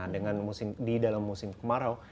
di dalam musim kemarau